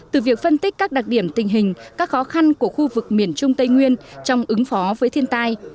từ việc phân tích các đặc điểm tình hình các khó khăn của khu vực miền trung tây nguyên trong ứng phó với thiên tai